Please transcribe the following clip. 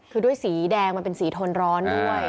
คือด้วยสีแดงมันเป็นสีทนร้อนด้วย